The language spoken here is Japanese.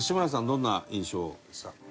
どんな印象ですか？